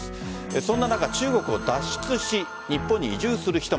そんな中、中国を脱出し日本に移住する人も。